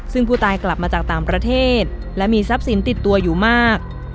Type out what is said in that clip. ซึ่งผู้ตายกลับมาจากต่างประเทศและมีทรัพย์สินติดตัวอยู่มาก